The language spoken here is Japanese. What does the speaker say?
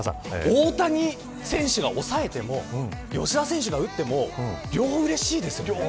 大谷選手が押さえても吉田選手が打っても両方うれしいですよね。